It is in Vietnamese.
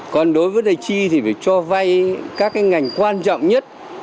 còn đối với vấn đề chi thì phải cho vay các ngành quan trọng nhất